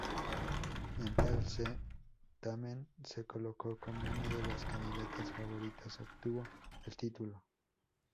En tal certamen se colocó como una de las candidatas favoritas, obtuvo el título.